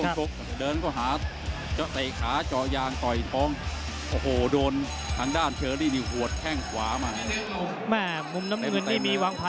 หมดยกก็หมดลง